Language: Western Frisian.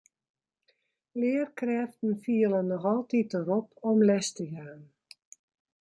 Learkrêften fiele noch altyd de rop om les te jaan.